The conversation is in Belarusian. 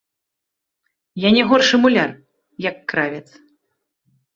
Я не горшы муляр, як кравец.